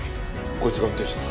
こいつが運転手だ。